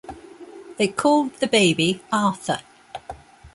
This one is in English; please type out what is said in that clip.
They called the baby Arthur.